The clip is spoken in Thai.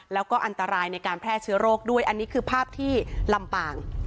แล้วก็อันตรายในการแพร่เชื้อโรคด้วยอันนี้คือภาพที่ลำปาง